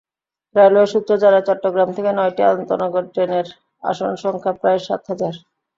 Railway সূত্র জানায়, চট্টগ্রাম থেকে নয়টি আন্তনগর ট্রেনের আসনসংখ্যা প্রায় সাত হাজার।